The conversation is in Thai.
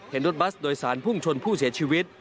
รถบัสโดยสารพุ่งชนผู้เสียชีวิต